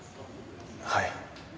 はい。